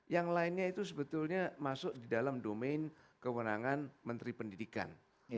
yang lainnya itu sebetulnya masuk di dalam domain kewenangan menteri pendidikan